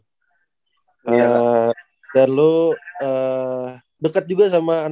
kalian punya koordinat apa cec